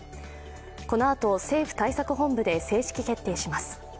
このあと政府対策本部で正式決定します。